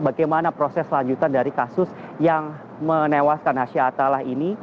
bagaimana proses lanjutan dari kasus yang menewaskan hasha atalah ini